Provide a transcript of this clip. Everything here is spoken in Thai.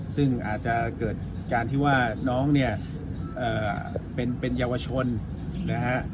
ซึ่งอาจจะเกิดการที่ว่าน้องเนี่ยเป็นเยาวชนนะฮะ